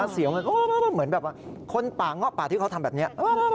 เสียงว้อเหมือนแบบคนป่าง่อป่าที่เขาทำแบบนี้